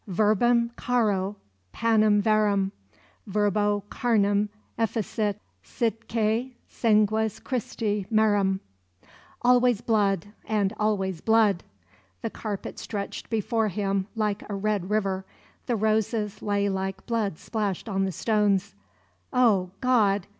"Verbum caro, panem verum, Verbo carnem efficit; Sitque sanguis Christi merum " Always blood and always blood! The carpet stretched before him like a red river; the roses lay like blood splashed on the stones Oh, God!